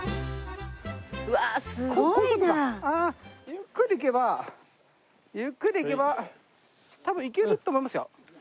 ゆっくり行けばゆっくり行けば多分行けると思いますよ。